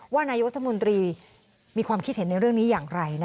นายกรัฐมนตรีมีความคิดเห็นในเรื่องนี้อย่างไร